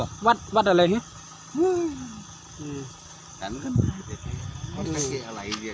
แขะอันจะทิ้งอะไรเนี้ย